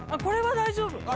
これは大丈夫。